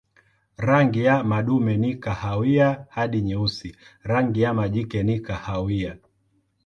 Rangi ya madume ni kahawia hadi nyeusi, rangi ya majike ni kahawia.